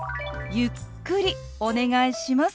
ゆっくりお願いします。